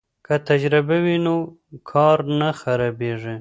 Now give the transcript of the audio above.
که تجربه وي نو کار نه خرابېږي.